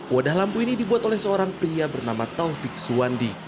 wadah lampu ini dibuat oleh seorang pria bernama taufik suwandi